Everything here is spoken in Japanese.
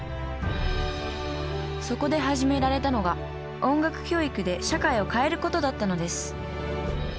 そこで始められたのが音楽教育で社会を変えることだったのです